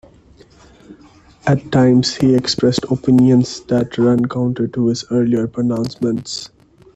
At times he expressed opinions that ran counter to his earlier pronouncements.